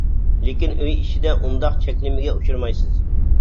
لېكىن ئۆي ئىچىدە ئۇنداق چەكلىمىگە ئۇچرىمايسىز.